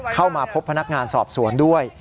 เข้ามาพบพนักงานสอบสวนด้วย